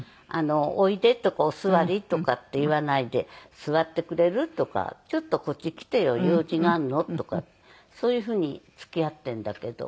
おいでとかお座りとかって言わないで「座ってくれる？」とか「ちょっとこっち来てよ。用事があるの」とかそういうふうに付き合ってるんだけど。